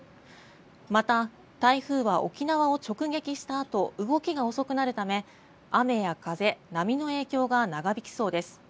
また、台風は沖縄を直撃したあと動きが遅くなるため雨や風、波の影響が長引きそうです。